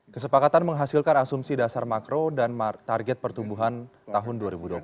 kesepakatan menghasilkan asumsi dasar makro dan target pertumbuhan tahun dua ribu dua puluh satu